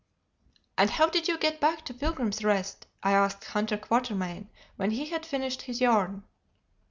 "And how did you get back to Pilgrim's Rest?" I asked Hunter Quatermain when he had finished his yarn.